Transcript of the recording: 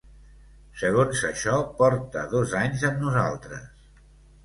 Segons això porta dos anys amb nosaltres.